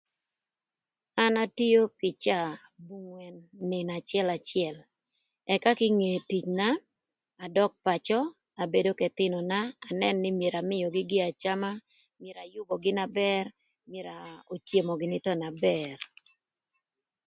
An atio pï caa nïnö acëlacël ëka kinge ticna adök pacö abedo k'ëthïnöna anën nï myero amïögï gï acama ayübögï na bër ocemo gïnï thon na bër.